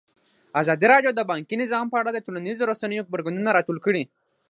ازادي راډیو د بانکي نظام په اړه د ټولنیزو رسنیو غبرګونونه راټول کړي.